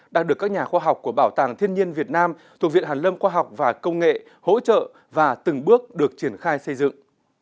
đang được các nhà khoa học của bảo tàng thiên nhiên việt nam thuộc viện hàn lâm khoa học và công nghệ hỗ trợ và từng bước được triển khai xây dựng